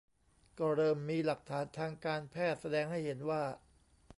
ก็เริ่มมีหลักฐานทางการแพทย์แสดงให้เห็นว่า